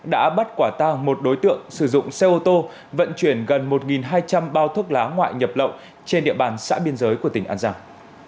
đã bắt quả tang một đối tượng sử dụng xe ô tô vận chuyển gần một hai trăm linh bao thuốc lá ngoại nhập lậu trên địa bàn xã biên giới của tỉnh an giang